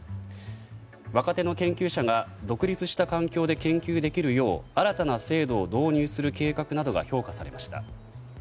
若手の研究者が独立した環境で研究できるよう新たな制度を導入する計画などが評価されました。